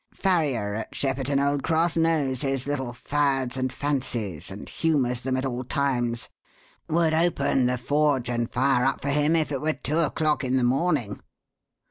Farrier at Shepperton Old Cross knows his little 'fads and fancies' and humours them at all times. Would open the forge and fire up for him if it were two o'clock in the morning."